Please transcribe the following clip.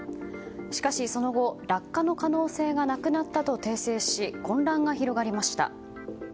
しかし、その後落下の可能性がなくなったと訂正し、混乱が広がりました。